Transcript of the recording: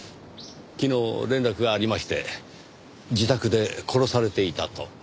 昨日連絡がありまして自宅で殺されていたと。